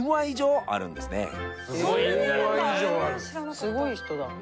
すごい人だ。